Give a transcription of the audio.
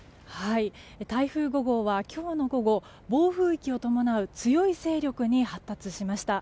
台風５号は、今日の午後暴風域を伴う強い勢力に発達しました。